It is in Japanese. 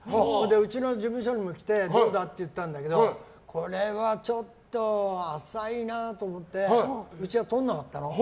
うちの事務所にも来てどうだって言ったんだけどこれはちょっと浅いなと思ってうちはとらなかったの。